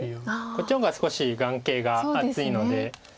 こっちの方が少し眼形が厚いので。